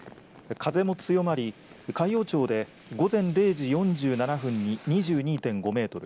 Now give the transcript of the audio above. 風も強まり海陽町で午前０時４７分に２２．５メートル